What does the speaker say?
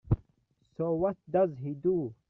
So what does he do?